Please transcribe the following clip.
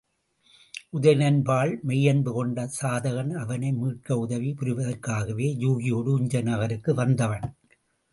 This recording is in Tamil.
உதயணன்பால் மெய்யன்பு கொண்ட சாதகன், அவனை மீட்க உதவி புரிவதற்காகவே யூகியோடு உஞ்சை நகருக்கு வந்தவன்.